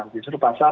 nah justru pasar